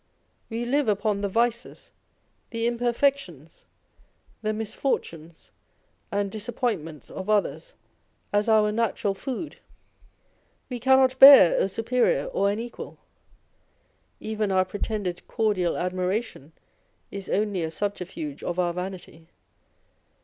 We live upon the vices, the imperfections, the misfortunes, and disap pointments of others, as our natural food. We cannot bear a superior or an equal. Even our pretended cordial admiration is only a subterfuge of our vanity.